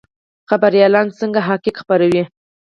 خبریالان څنګه حقایق خپروي؟